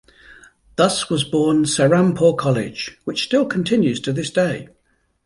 Thus was born Serampore College - which still continues to this day.